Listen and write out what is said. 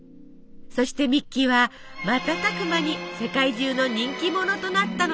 そしてミッキーは瞬く間に世界中の人気者となったのです。